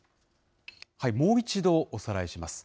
もう一度おさらいします。